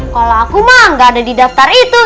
kalau aku mah gak ada di daftar itu